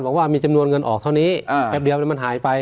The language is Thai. บอกว่ามีจำนวนเงินออกเท่านี้แป๊บเดียวแล้วมันหายไป